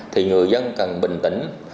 thì người dân cần bình tĩnh